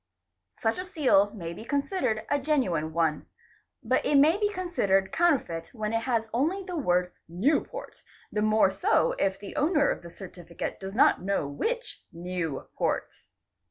Such a seal may be considered a genuine one; but it may be considered counterfeit when it has only the word '* Newport'',—the more so if the owner of the certificate does not know which New port.